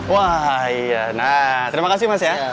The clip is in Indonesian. wah iya nah terima kasih mas ya